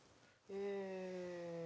うん。